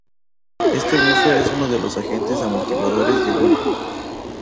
Este buffer es uno de los agentes amortiguadores de Good.